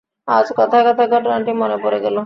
আজ কথায় কথায় ঘটনাটি মনে পড়ে গেল।